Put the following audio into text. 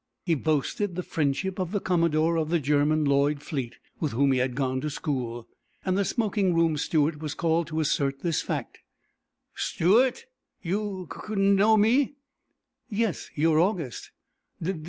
He boasted the friendship of the Commodore of the German Lloyd fleet, with whom he had gone to school, and the smoking room steward was called to assert this fact. "Steward, you k know me?" "Yes, you're August."